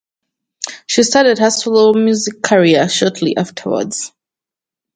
She started her solo music career shortly afterwards.